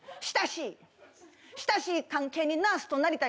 下Ｃ関係にナースとなりたい。